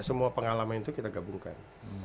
semua pengalaman itu kita gabungkan